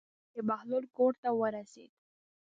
د بهلول کور ته ورسېد.